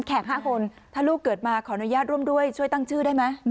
๕คนถ้าลูกเกิดมาขออนุญาตร่วมด้วยช่วยตั้งชื่อได้ไหม